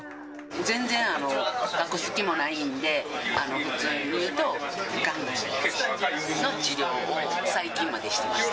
全然、隠す気もないんで、普通に言うと、がんの治療を最近までしてました。